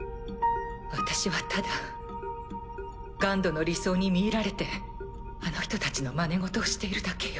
私はただＧＵＮＤの理想に魅入られてあの人たちのまね事をしているだけよ。